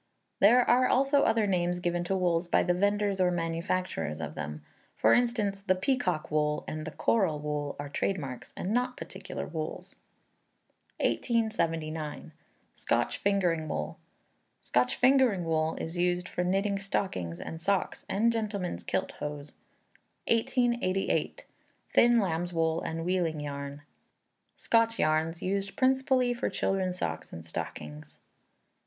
There are also other names given to wools by the vendors or manufacturers of them: for instance, "The Peacock Wool" and "The Coral Wool" are trade marks, and not particular wools. 1879. Scotch Fingering Wool. Scotch fingering wool is used for knitting stockings and socks, and gentlemen's kilt hose. 1880. Thin Lambs' Wool and Wheeling Yarn. Scotch yarns, used principally for children's socks and stockings. 1881.